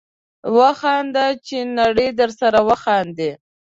وخانده چې نړۍ درسره وخاندي